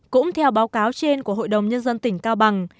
cũng theo báo cáo trên của hội đồng nhân dân tỉnh cao bằng